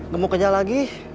gemuk aja lagi